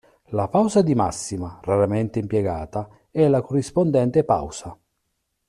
La pausa di massima, raramente impiegata, è la corrispondente pausa.